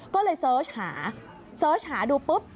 ก็เลยเสิร์ชหาหาดูปุ๊บ